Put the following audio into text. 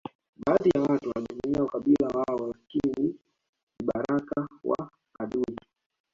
Baadhi ya watu wanajivunia ukabila wao lakini ni vibaraka wa adui